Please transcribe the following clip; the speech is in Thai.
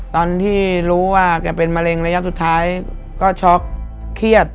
ตอนที่รู้ว่าแกเป็นมะเร็งระยะสุดท้ายก็ช็อกเครียด